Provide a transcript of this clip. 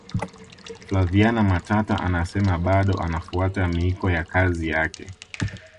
flaviana matata anasema bado anafuata miiko ya kazi yake